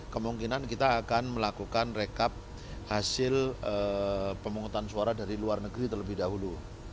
kemungkinan kita akan melakukan rekap hasil pemungutan suara dari luar negeri terlebih dahulu